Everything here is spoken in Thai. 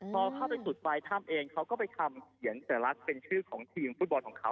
พอเข้าไปจุดปลายถ้ำเองเขาก็ไปทำเขียนสัญลักษณ์เป็นชื่อของทีมฟุตบอลของเขา